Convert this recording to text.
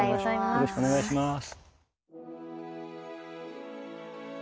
よろしくお願いします。